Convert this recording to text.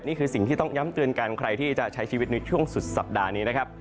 นี่คือสิ่งที่ต้องย้ำเตือนกันใครที่จะใช้ชีวิตในช่วงสุดสัปดาห์นี้นะครับ